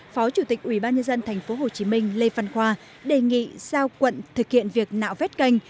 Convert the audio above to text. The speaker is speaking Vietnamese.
phó chủ tịch ubnd tp hcm lê phan khoa đề nghị giao quận thực hiện việc nạo vét kênh